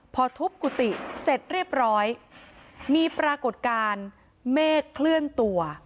พอทุบกุฏิเสร็จเรียบร้อยมีปรากฏการณ์เมฆเคลื่อนตัว